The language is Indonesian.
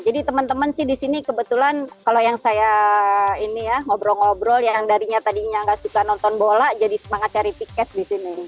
jadi teman teman sih di sini kebetulan kalau yang saya ini ya ngobrol ngobrol yang darinya tadinya nggak suka nonton bola jadi semangat cari tiket di sini